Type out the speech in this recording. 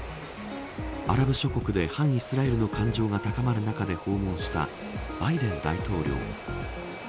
アラブ諸国で反イスラエルの感情が高まる中で訪問したバイデン大統領。